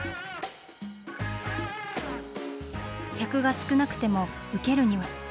客が少なくてもウケるには。